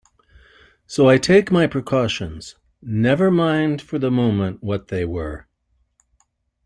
So I take my precautions — never mind for the moment what they were.